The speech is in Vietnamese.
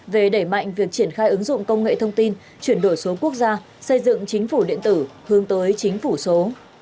về đẩy mạnh việc triển khai ứng dụng công nghệ thông tin chuyển đổi số quốc gia xây dựng chính phủ điện tử hướng tới chính phủ số